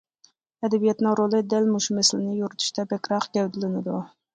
ئەدەبىياتنىڭ رولى دەل مۇشۇ مەسىلىنى يورۇتۇشتا بەكرەك گەۋدىلىنىدۇ.